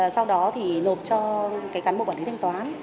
sau đó thì nộp cho cái cán bộ quản lý thanh toán